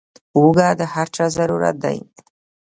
اوړه د هر چا ضرورت دی